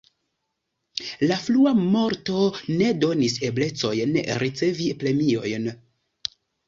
La frua morto ne donis eblecojn ricevi premiojn.